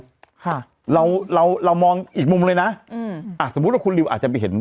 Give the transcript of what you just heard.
ค่ะเราเรามองอีกมุมเลยนะอืมอ่ะสมมุติว่าคุณริวอาจจะไปเห็น